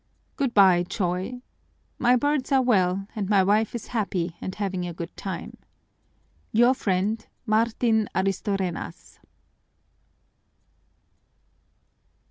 "Good by, Choy. My birds are well and my wife is happy and having a good time. Your friend, MARTIN ARISTORENAS."